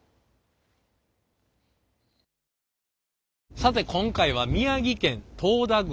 さて今回は宮城県遠田郡